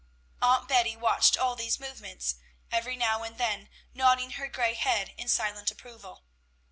Aunt Betty watched all these movements, every now and then nodding her gray head in silent approval.